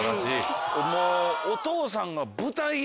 もうお父さんが。